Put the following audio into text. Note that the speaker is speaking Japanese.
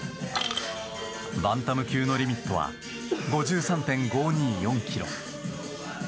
バンタム級のリミットは５３．５２４